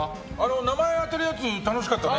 名前を当てるやつ楽しかったね。